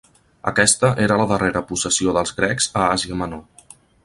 Aquesta era la darrera possessió dels grecs a Àsia Menor.